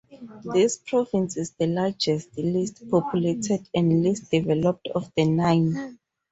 This province is the largest, least populated, and least developed of the nine.